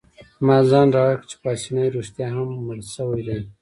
ما ځان ډاډه کړ چي پاسیني رښتیا هم مړی شوی دی.